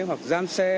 hoặc giam xe